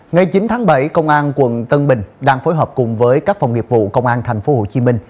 ngày chín tháng bảy công an quận tân bình đang phối hợp cùng với các phòng nghiệp vụ công an thành phố hồ chí minh